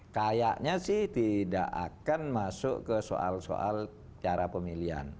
kayaknya sih tidak akan masuk ke soal soal cara pemilihan